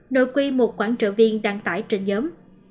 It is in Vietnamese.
nội quy một quản trị viên đăng tải trên nhóm